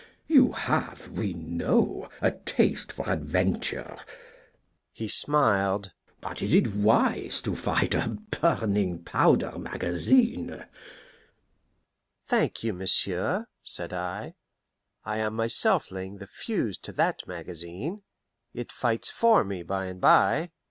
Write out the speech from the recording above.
You have, we know, a taste for adventure" he smiled "but is it wise to fight a burning powder magazine?" "Thank you, monsieur," said I, "I am myself laying the fuse to that magazine. It fights for me by and bye."